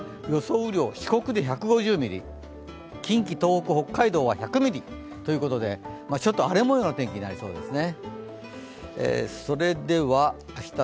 雨量、四国で１５０ミリ、近畿、東北、北海道は１００ミリということで、ちょっと荒れもような天気となりそうですね。